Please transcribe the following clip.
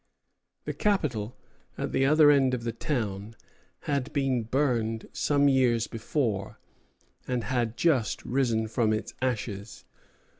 The capitol, at the other end of the town, had been burned some years before, and had just risen from its ashes.